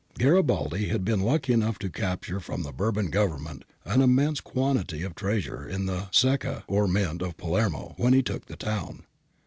Garibaldi had been lucky enough to capture from the Bourbon Government an immense quantity of treasure in the zecca (mint) of Palermo, when he took the town.